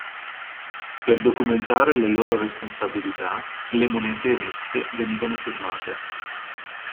Per documentare le loro responsabilità le monete emesse venivano firmate.